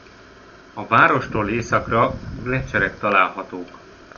A várostól északra gleccserek találhatók.